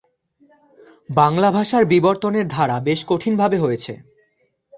বাংলা ভাষার বিবর্তনের ধারা বেশ কঠিন ভাবে হয়েছে।